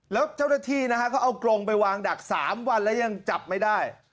แล้วเจ้าหน้าที่นะฮะเขาเอากรงไปวางดัก๓วันแล้วยังจับไม่ได้